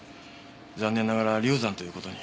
残念ながら流産という事に。